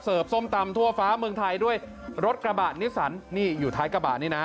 ส้มตำทั่วฟ้าเมืองไทยด้วยรถกระบะนิสันนี่อยู่ท้ายกระบะนี่นะ